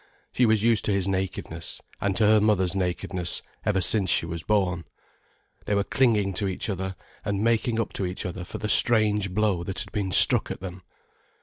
She was used to his nakedness, and to her mother's nakedness, ever since she was born. They were clinging to each other, and making up to each other for the strange blow that had been struck at them.